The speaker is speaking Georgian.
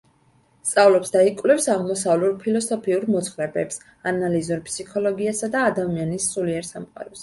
სწავლობს და იკვლევს აღმოსავლურ ფილოსოფიურ მოძღვრებებს, ანალიზურ ფსიქოლოგიასა და ადამიანის სულიერ სამყაროს.